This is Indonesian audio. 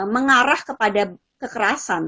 mengarah kepada kekerasan